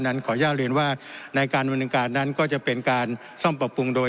ขออนุญาตเรียนว่าในการดำเนินการนั้นก็จะเป็นการซ่อมปรับปรุงโดย